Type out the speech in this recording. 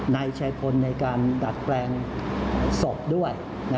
นายชัยพลในการดัดแปลงศพด้วย